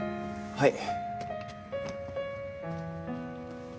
はい。